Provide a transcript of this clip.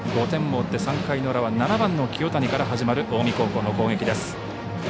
５点を追って３回の裏は７番の清谷から始まる近江高校の攻撃です。